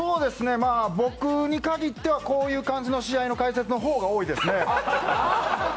僕に限ってはこういう試合の解説の方が多いですね。